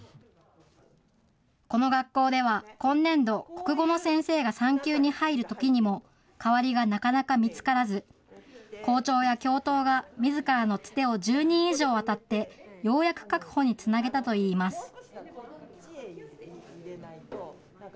この学校では今年度、国語の先生が産休に入るときにも、代わりがなかなか見つからず、校長や教頭が、みずからのツテを１０人以上あたって、ようやく確保につなげたといいます。